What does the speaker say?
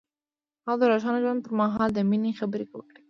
هغه د روښانه ژوند پر مهال د مینې خبرې وکړې.